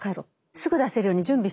すぐ出せるように準備しとけ。